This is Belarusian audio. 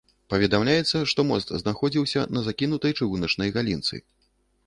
Паведамляецца, што мост знаходзіўся на закінутай чыгуначнай галінцы.